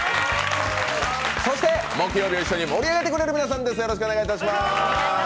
そして木曜日を一緒に盛り上げてくれる皆さんです。